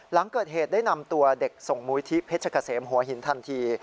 หลังเกิดเหตุได้นำตัวเด็กส่งมูลที่เพชรเกษมหัวหินทันที